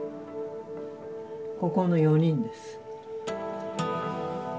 ここの４人です。